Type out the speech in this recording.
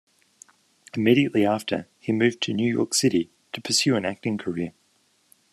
Immediately after, he moved to New York City to pursue an acting career.